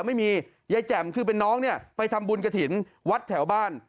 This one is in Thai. ไม่มียายแจ่มคือเป็นน้องเนี่ยไปทำบุญกระถิ่นวัดแถวบ้าน